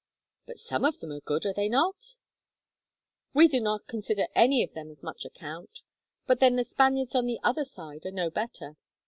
"But some of them are good, are they not?" "We do not consider any of them of much account. But then the Spaniards on the other side are no better.